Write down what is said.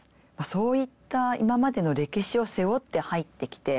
そういった今までの歴史を背負って入って来て。